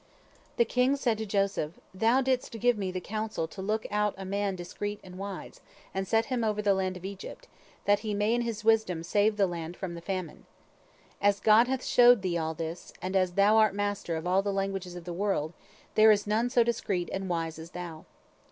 The king said to Joseph: "Thou didst give me the counsel to look out a man discreet and wise, and set him over the land of Egypt, that he may in his wisdom save the land from the famine. As God hath showed thee all this, and as thou art master of all the languages of the world, there is none so discreet and wise as thou.